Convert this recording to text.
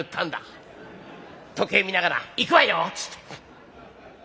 時計見ながら『行くわよ』っつって。